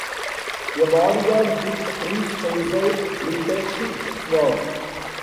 A bodyguard hit Prince Faisal with a sheathed sword.